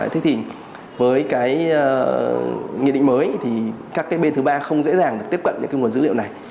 thế thì với cái nghị định mới thì các cái bên thứ ba không dễ dàng được tiếp cận những cái nguồn dữ liệu này